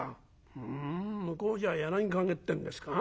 ふん向こうじゃ『柳陰』ってんですか？」。